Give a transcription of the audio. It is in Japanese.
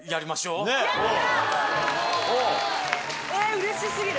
うれし過ぎる。